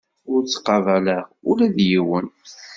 Ur ttqabaleɣ ula d yiwen.